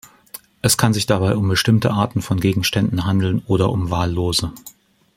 Es kann sich dabei um bestimmte Arten von Gegenständen handeln oder um wahllose.